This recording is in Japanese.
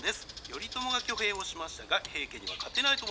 頼朝が挙兵をしましたが平家には勝てないと思います。